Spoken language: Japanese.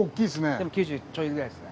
でも９０ちょいくらいですね。